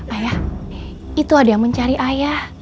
ayah itu ada yang mencari ayah